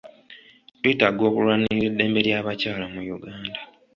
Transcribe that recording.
Twetaaga okulwanirira eddembe ly'abakyala mu Uganda.